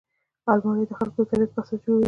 الماري د خلکو د طبعیت په اساس جوړیږي